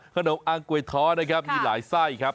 นางกวยท้อนะครับมีหลายไส้ครับ